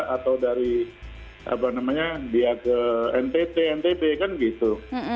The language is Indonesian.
atau dari apa namanya dia ke ntt ntb kan gitu